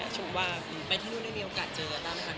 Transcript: ชมว่าไปที่นู่นแล้วมีโอกาสเจอละกัน